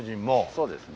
そうですね。